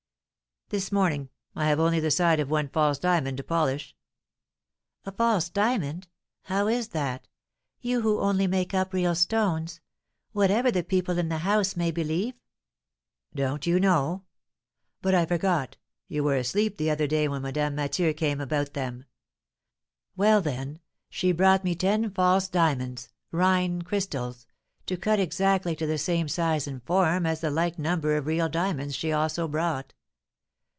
"This morning. I have only the side of one false diamond to polish." "A false diamond! How is that? you who only make up real stones, whatever the people in the house may believe." "Don't you know? But I forgot, you were asleep the other day when Madame Mathieu came about them. Well, then, she brought me ten false diamonds Rhine crystals to cut exactly to the same size and form as the like number of real diamonds she also brought.